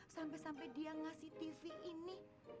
sampai sampai dia ngasih tv ini